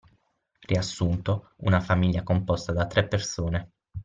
Riassunto: Una famiglia composta da tre persone